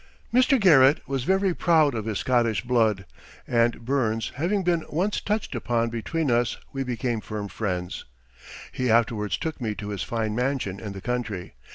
Mr. Garrett was very proud of his Scottish blood, and Burns having been once touched upon between us we became firm friends. He afterwards took me to his fine mansion in the country.